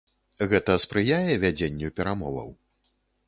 Гэта спрыяе вядзенню перамоваў?